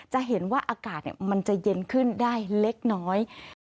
จะเห็นว่าอากาศมันจะเย็นขึ้นได้เล็กน้อย